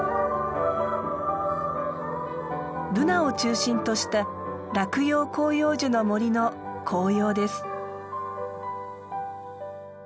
ブナを中心とした落葉広葉樹の森の紅葉です。